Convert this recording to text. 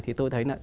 thì tôi thấy là